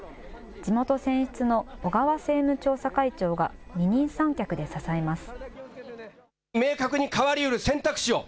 地元選出の小川政務調査会長が、二人三脚で支えます。